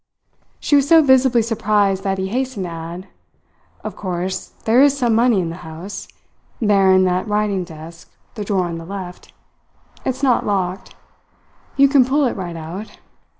She was so visibly surprised that he hastened to add: "Of course, there is some money in the house there, in that writing desk, the drawer on the left. It's not locked. You can pull it right out.